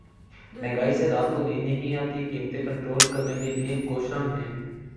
مہنگائی سے رات کو نیند نہیں آتی قیمتیں کنٹرول کرنے کے لیے کوشاں ہیں